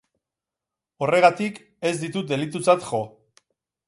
Horregatik, ez ditu delitutzat jo.